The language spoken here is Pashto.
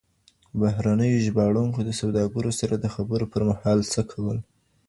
بهرنیو ژباړونکو د سوداګرو سره د خبرو پر مهال څه کول؟